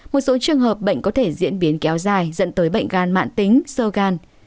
một số trường hợp bệnh có thể diễn biến kéo dài dẫn tới bệnh gan mạng tính sơ gan